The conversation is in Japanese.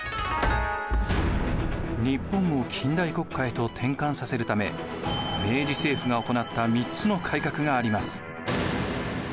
日本を近代国家へと転換させるため明治政府が行った３つの改革があります。